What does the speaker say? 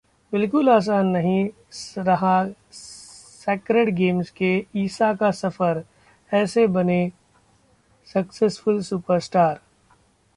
बिल्कुल आसान नहीं रहा सैक्रेड गेम्स के ईसा का सफर, ऐसे बने सक्सेसफुल स्टार